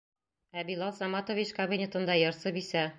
Ә Билал Саматович кабинетында йырсы бисә!